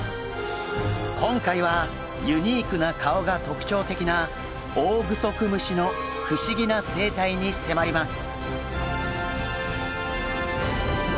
今回はユニークな顔が特徴的なオオグソクムシの不思議な生態に迫ります。